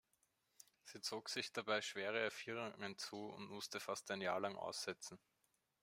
Sie zog sich dabei schwere Erfrierungen zu und musste fast ein Jahr lang aussetzen.